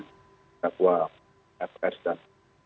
pergakwa fs dan